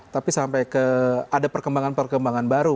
tapi sampai ke ada perkembangan perkembangan baru